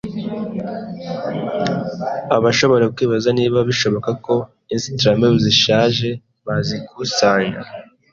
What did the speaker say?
Abashobora kwibaza niba bishoboka ko inzitiramibu zishaje bazikusanya